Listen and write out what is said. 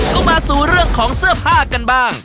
ก็มาสู่เรื่องของเสื้อผ้ากันบ้าง